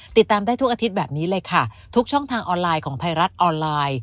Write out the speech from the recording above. ติดตามได้ทุกอาทิตย์แบบนี้เลยค่ะทุกช่องทางออนไลน์ของไทยรัฐออนไลน์